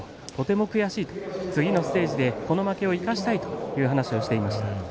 悔しいし次のステージではこの負けを生かしたいという話をしていました。